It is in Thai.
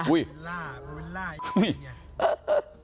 อุ้ยอุ้ยนี่ภูวิล่าเหรอ